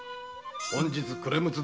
本日暮れ六つだ。